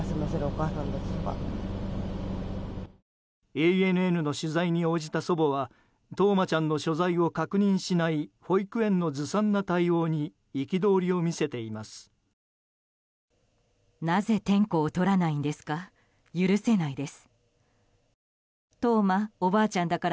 ＡＮＮの取材に応じた祖母は冬生ちゃんの所在を確認しない保育園のずさんな対応に憤りを見せています。